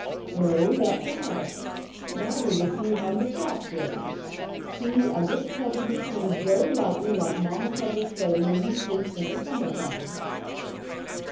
"No, that's enough. Now we will see how your crop grows. See, I just cover the seed very lightly like mamma covers Freddie when he sleeps in the summer time."